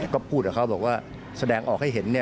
ก็พูดกับเขาบอกว่าแสดงออกให้เห็น